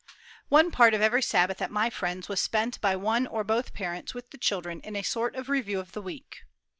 One part of every Sabbath at my friend's was spent by one or both parents with the children in a sort of review of the week.